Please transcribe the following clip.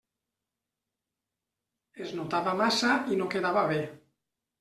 Es notava massa i no quedava bé.